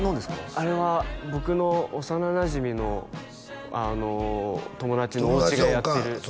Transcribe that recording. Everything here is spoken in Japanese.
あれは僕の幼なじみの友達のおうちがやってる友達のオカン